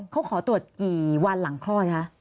เขาขอตรวจกี่วันหลังคลอดคะ